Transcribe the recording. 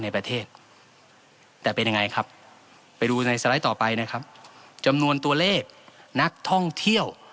ในประเทศแต่เป็นยังไงครับไปดูในสไลด์ต่อไปนะครับจำนวนตัวเลขนักท่องเที่ยว